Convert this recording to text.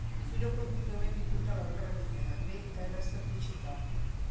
Il filo conduttore di tutta l'opera di Nervi è la staticità.